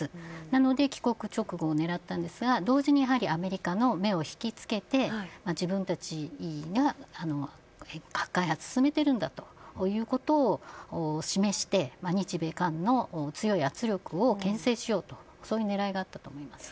なので帰国直後を狙ったんですが同時に、やはりアメリカの目を引きつけて、自分たちは核開発を進めているんだということを示して日米韓の強い圧力を牽制しようという狙いがあったと思います。